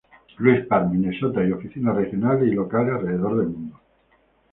Louis Park, Minnesota y oficinas regionales y locales alrededor del mundo.